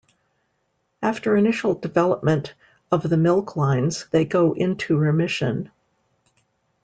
After initial development of the milk lines they go into remission.